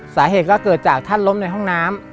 สาเหตุก็เกิดจากท่านล้มในห้องน้ำ